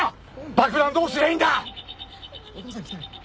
爆弾どうすりゃいいんだ！？